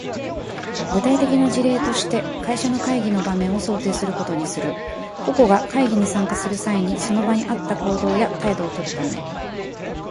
具体的な事例として、会社の会議の場面を想定することにする。個々が会議に参加する際に、その場に合った行動や態度をとるために、他の参加者が自分から何を期待しているかを理解する必要がある。